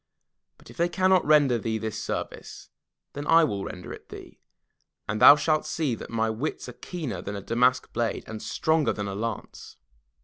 But if they cannot render thee this service, then will I render it thee, and thou shalt see that my wits are keener than a damask blade, and stronger than a lance."